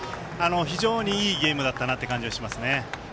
非常にいいゲームだったなという感じはしますね。